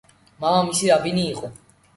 მამამისი რაბინი იყო.